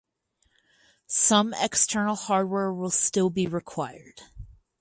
Some external hardware will still be required.